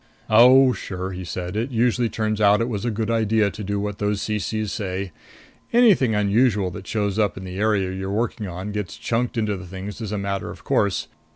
"Oh, sure," he said. "It usually turns out it was a good idea to do what those CCs say. Anything unusual that shows up in the area you're working on gets chunked into the things as a matter of course.